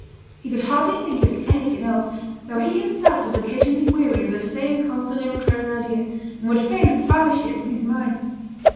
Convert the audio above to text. He could hardly think of anything else, though he himself was occasionally weary of the same constantly recurring idea, and would fain have banished it from his mind.